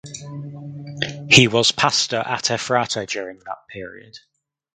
He was pastor at Ephrata during that period.